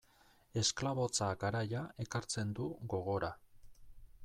Esklabotza garaia ekartzen du gogora.